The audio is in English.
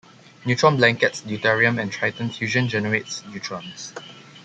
"Neutron blankets" Deuterium and tritium fusion generates neutrons.